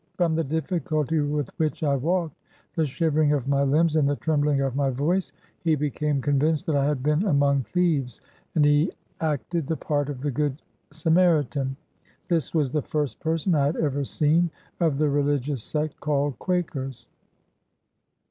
From the difficulty with which I walked, the shivering of my limbs, and the trembling of my voice, he became convinced that I had been among thieves, and he acted the part of the Good Samaritan. This was the first person I had ever seen of the religious sect called 4 Quakers.'"